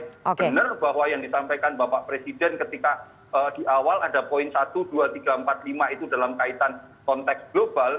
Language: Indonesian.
benar bahwa yang disampaikan bapak presiden ketika di awal ada poin satu dua tiga empat lima itu dalam kaitan konteks global